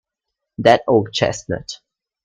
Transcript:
That old chestnut.